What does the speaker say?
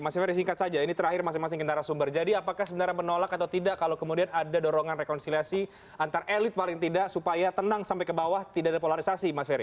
mas ferry singkat saja ini terakhir masing masing kendaraan sumber jadi apakah sebenarnya menolak atau tidak kalau kemudian ada dorongan rekonsiliasi antar elit paling tidak supaya tenang sampai ke bawah tidak ada polarisasi mas ferr